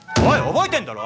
覚えてんだろ？